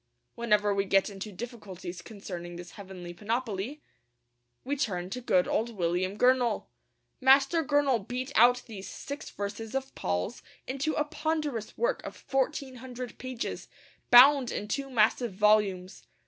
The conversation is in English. Whenever we get into difficulties concerning this heavenly panoply, we turn to good old William Gurnall. Master Gurnall beat out these six verses of Paul's into a ponderous work of fourteen hundred pages, bound in two massive volumes.